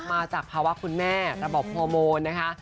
มาจากภาวะคุณแม่ระบบฮอร์โมนนะคะ